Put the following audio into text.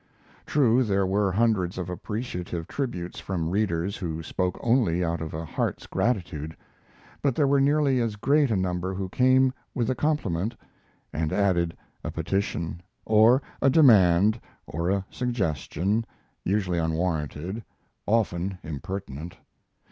True, there were hundreds of appreciative tributes from readers who spoke only out of a heart's gratitude; but there were nearly as great a number who came with a compliment, and added a petition, or a demand, or a suggestion, usually unwarranted, often impertinent.